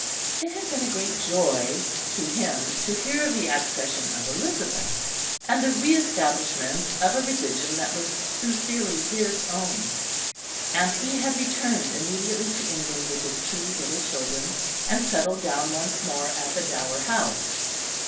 It had been a great joy to him to hear of the accession of Elizabeth, and the re establishment of a religion that was sincerely his own; and he had returned immediately to England with his two little children, and settled down once more at the Dower House.